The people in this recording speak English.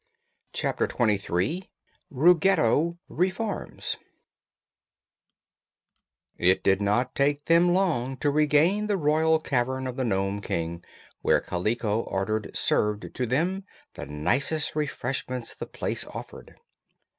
Chapter Twenty Three Ruggedo Reforms It did not take them long to regain the royal cavern of the Nome King, where Kaliko ordered served to them the nicest refreshments the place afforded.